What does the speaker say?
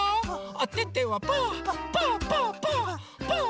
おててはパーパーパーパー！